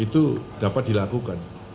itu dapat dilakukan